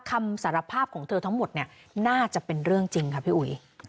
คำสารภาพของเธอทั้งหมดเนี่ยน่าจะเป็นเรื่องจริงค่ะพี่อุ๋ย